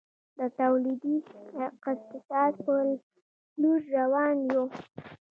د تولیدي اقتصاد په لور روان یو؟